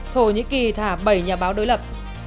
thổ nhĩ kỳ thả bảy nhà báo đối lập